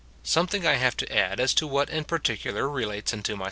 Something I have to add as to what in particular relates unto myself.